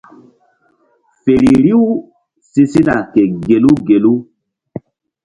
Feri riw si sina ke gelu gelu.